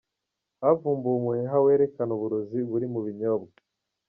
Havumbuwe umuheha werekana uburozi buri mu binyobwa